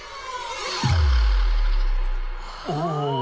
おお！